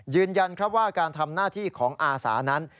ยืนยันว่าการทำหน้าที่ของอาสานั้น